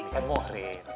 ini kan mohrid